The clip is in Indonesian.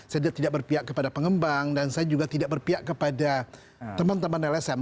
saya tidak berpihak kepada pengembang dan saya juga tidak berpihak kepada teman teman lsm